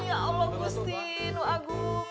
ya allah gusti nu agung